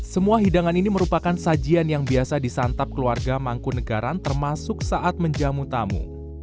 semua hidangan ini merupakan sajian yang biasa disantap keluarga mangkunegaran termasuk saat menjamu tamu